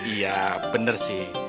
iya benar sih